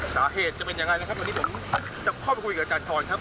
จะเป็นอย่างไรนะครับวันนี้ผมจะเข้าไปคุยกับอาจารย์พรครับ